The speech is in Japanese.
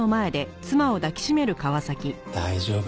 大丈夫。